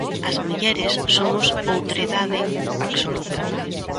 As mulleres, somos outredade absoluta.